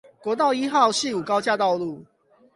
國道一號汐五高架道路